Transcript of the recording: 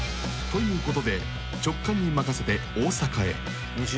［ということで直感に任せて大阪へ］